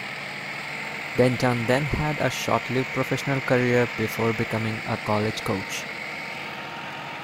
Benton then had a short-lived professional career before becoming a college coach.